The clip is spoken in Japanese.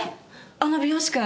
あの美容師君？